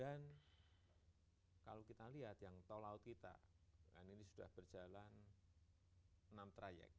dan kalau kita lihat yang tol laut kita ini sudah berjalan enam trayek